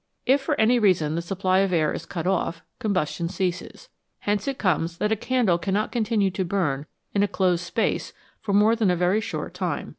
If for any reason the supply of air is cut off, combustion ceases. Hence it comes that a candle cannot continue to burn in a closed space for more than a very short time.